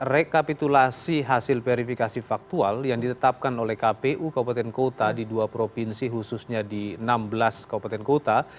rekapitulasi hasil verifikasi faktual yang ditetapkan oleh kpu kabupaten kota di dua provinsi khususnya di enam belas kabupaten kota